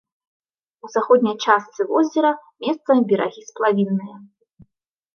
У заходняй частцы возера месцамі берагі сплавінныя.